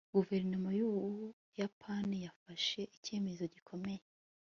guverinoma y'ubuyapani yafashe icyemezo gikomeye